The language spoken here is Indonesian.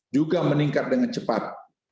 juga meningkat dengan cepat